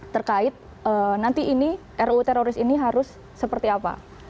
terkait nanti ini ruu teroris ini harus seperti apa